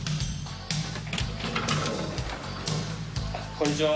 こんにちは。